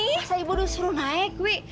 masa ibu udah suruh naik wi